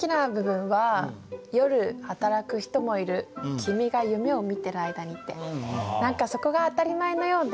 「夜働く人もいる君が夢を見ている間に」って何かそこが当たり前のようで。